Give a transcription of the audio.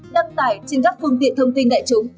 đăng tải trên các phương tiện thông tin đại chúng